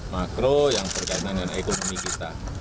makro yang berkaitan dengan ekonomi kita